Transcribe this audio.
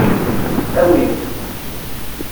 Awim-t.